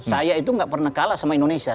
saya itu gak pernah kalah sama indonesia